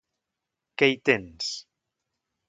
Què hi tens?